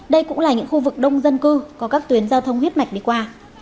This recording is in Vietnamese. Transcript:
đây cũng là những khu vực đông dân cư có các tuyến giao thông huyết mạch đi qua